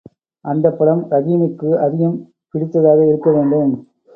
அந்தப் படம் ரஹீமுக்கு அதிகம் பிடித்ததாக இருக்க வேண்டும்.